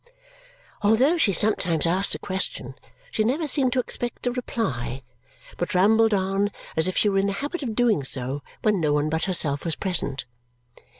Although she sometimes asked a question, she never seemed to expect a reply, but rambled on as if she were in the habit of doing so when no one but herself was present.